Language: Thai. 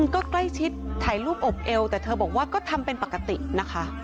ก็ใกล้ชิดถ่ายรูปอบเอวแต่เธอบอกว่าก็ทำเป็นปกตินะคะ